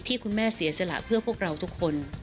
คุณแม่เสียสละเพื่อพวกเราทุกคน